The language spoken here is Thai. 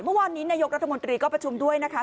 เมื่อวานนี้นายกรัฐมนตรีก็ประชุมด้วยนะคะ